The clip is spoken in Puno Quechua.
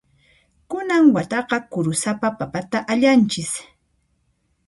Kunan wataqa kurusapa papata allanchis.